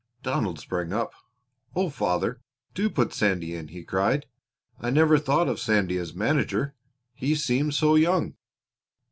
Donald sprang up. "Oh, father, do put Sandy in," he cried. "I never thought of Sandy as manager he seems so young!"